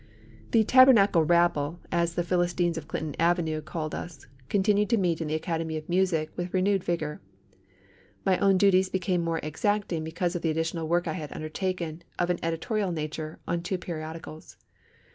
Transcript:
The "Tabernacle Rabble," as the Philistines of Clinton Avenue called us, continued to meet in the Academy of Music with renewed vigour. My own duties became more exacting because of the additional work I had undertaken, of an editorial nature, on two periodicals.